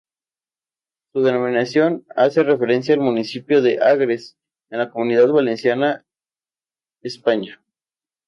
Su denominación hace referencia al municipio de Agres en la Comunidad Valenciana, España.